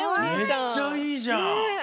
めっちゃいいじゃん。ね！